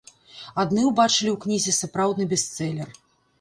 Адны ўбачылі ў кнізе сапраўдны бестселер.